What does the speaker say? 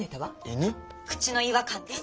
「口の違和感」です。